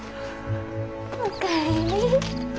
お帰り。